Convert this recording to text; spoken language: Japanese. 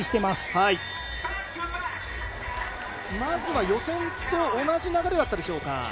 まずは予選と同じ流れだったでしょうか。